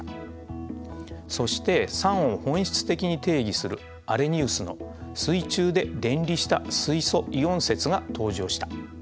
そして酸を本質的に定義するアレニウスの水中で電離した水素イオン説が登場した。